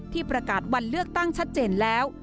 ประกาศวันเลือกตั้งชัดเจนแล้ว